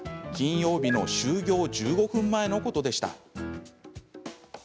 金曜日の終業１５分前のことでした。